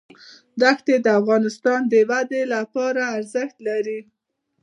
دښتې د اقتصادي ودې لپاره ارزښت لري.